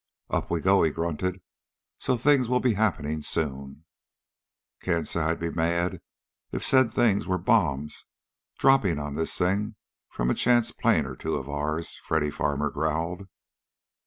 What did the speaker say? "Up we go," he grunted. "So things will be happening soon." "Can't say I'd be mad if said things were bombs dropping on this thing from a chance plane or two of ours!" Freddy Farmer growled.